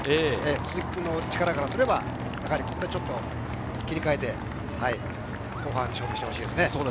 鈴木君の力からすれば、ここでちょっと切り替えて、後半に勝負してほしいですね。